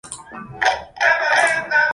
Michael Schumacher fue el ganador de la carrera.